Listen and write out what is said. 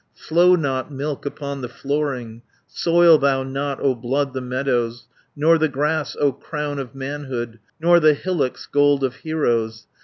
"Flow not, milk, upon the flooring, Soil thou not, O Blood, the meadows, Nor the grass, O crown of manhood, Nor the hillocks, gold of heroes.